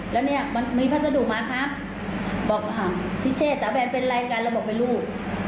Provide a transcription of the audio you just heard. แล้วเนี่ยมันมีพัฒนาดูมาครับบอกว่าพิเศษสาวแบรนด์เป็นไรกันเราบอกเป็นลูก